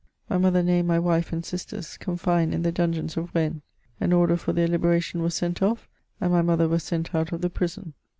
My mother named my wife and sisters, confined in the dungeons of Rennes. An order for their liberation was sent off, and my mother was sent out of the prison.